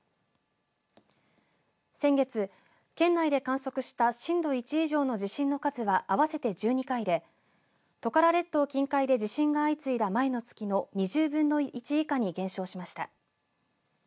先月、県内で観測した震度１以上の地震の数は合わせて１２回でトカラ列島近海で地震が相次いだ前の月の２０分の１以下に減少しました。